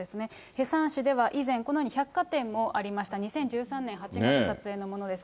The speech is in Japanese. ヘサン市では依然、このように百貨店もありました、２０１３年８月、撮影のものです。